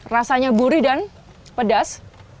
rasanya burih dan pedas